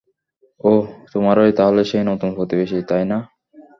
ওহ, তোমরাই তাহলে সেই নতুন প্রতিবেশী, তাই না?